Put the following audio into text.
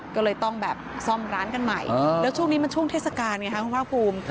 ก็เลยต้องแบบซ่อมร้านกันใหม่แล้วช่วงนี้มันช่วงเทศกาลไงคะคุณภาคภูมิ